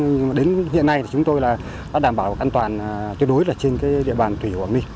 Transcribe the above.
nhưng mà đến hiện nay thì chúng tôi đã đảm bảo an toàn tuyệt đối trên địa bàn thủy quảng ninh